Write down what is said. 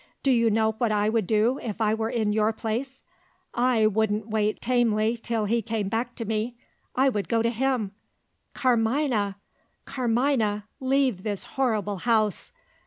Do you know what I would do, if I were in your place? I wouldn't wait tamely till he came back to me I would go to him. Carmina! Carmina! leave this horrible house!"